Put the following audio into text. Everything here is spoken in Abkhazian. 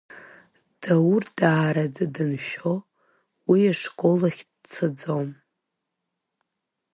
Даур даараӡа даншәо, уи ашкол ахь дцаӡом.